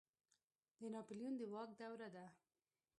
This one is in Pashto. د ناپلیون د واک دوره ده.